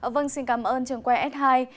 vâng xin cảm ơn trần quang s hai